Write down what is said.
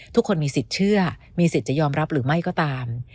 ทุกคนมีสิทธิ์เชื่อมีสิทธิ์จะยอมรับหรือไม่ก็ตาม